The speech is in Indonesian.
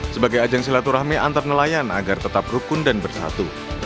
sebagai ajang silaturahmi antar nelayan agar tetap rukun dan bersatu